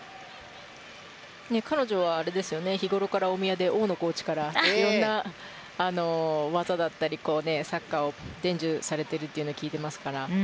彼女は日頃から大宮で大野コーチからいろんな技だったりサッカーを伝授されていると聞いてますから。